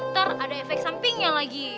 ntar ada efek sampingnya lagi